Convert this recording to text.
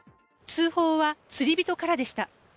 通報は釣り人からでした。